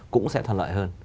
cũng sẽ thuận lợi hơn